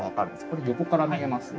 これ横から見えます？